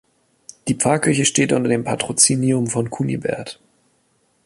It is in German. Die Pfarrkirche steht unter dem Patrozinium von Kunibert.